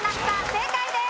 正解です。